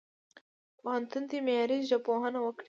پوهنتون دي معیاري ژبپوهنه وکړي.